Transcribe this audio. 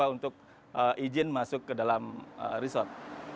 saya akan mencoba untuk izin masuk ke dalam resort